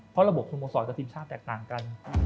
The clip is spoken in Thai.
เพราะระบบสโมสรกับทีมชาติแตกต่างกัน